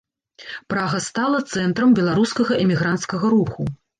Прага стала цэнтрам беларускага эмігранцкага руху.